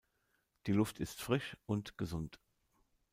Die Luft ist frisch und gesund.